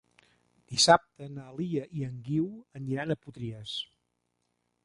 Dissabte na Lia i en Guiu aniran a Potries.